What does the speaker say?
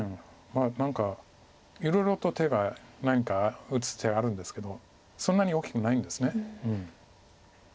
まだ何かいろいろと手が何か打つ手あるんですけどそんなに大きくないんです。